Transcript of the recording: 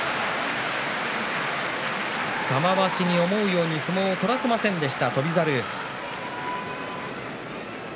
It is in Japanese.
玉鷲に思うように相撲を取らせませんでした、翔猿。